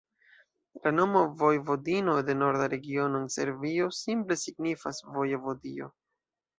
La nomo Vojvodino de norda regiono en Serbio simple signifas vojevodio.